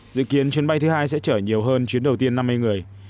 dự kiến chuyến bay thứ hai sẽ chở nhiều hơn chuyến đầu tiên năm mươi người